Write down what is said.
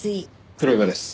黒岩です。